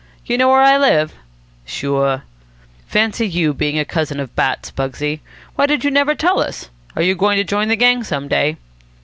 You know where I live?" "Sure." "Fancy you being a cousin of Bat's, Pugsy. Why did you never tell us? Are you going to join the gang some day?"